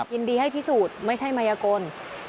ยินดีให้พิสูจน์ไม่ใช่มายกล